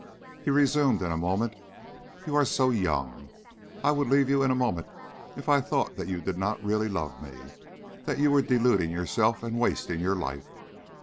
He resumed in a moment: "You are so young I would leave you in a moment if I thought that you did not really love me, that you were deluding yourself and wasting your life.